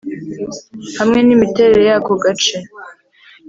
hamwe n imiterere yako gace.